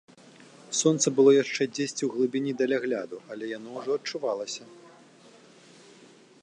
Сонца было яшчэ дзесьці ў глыбіні далягляду, але яно ўжо адчувалася.